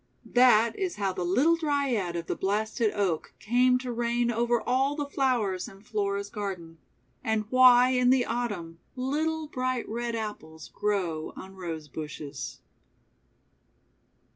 That is how the little Dryad of the blasted Oak came to reign over all the flowers in Flora's garden; and why, in the Autumn, little bright red Apples grow on Rose Bushes.